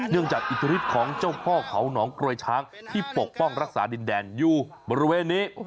จากอิทธิฤทธิ์ของเจ้าพ่อเขาหนองกรวยช้างที่ปกป้องรักษาดินแดนอยู่บริเวณนี้